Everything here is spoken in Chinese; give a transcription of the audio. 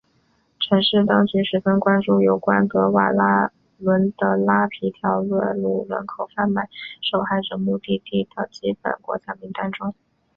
城市当局十分关注有关德瓦伦的拉皮条列入人口贩卖受害者目的地的基本国家名单中。